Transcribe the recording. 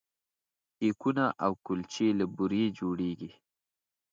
کیکونه او کلچې له بوري جوړیږي.